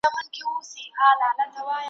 ما شپه ده راوستلې سپینوې یې او کنه `